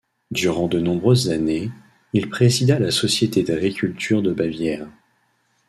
Durant de nombreuses années, il présida la Société d'agriculture de Bavière.